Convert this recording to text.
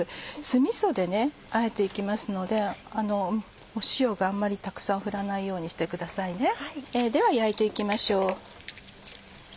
酢みそであえて行きますので塩をたくさん振らないようにしてください。では焼いて行きましょう。